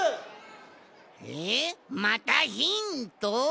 えっまたヒント？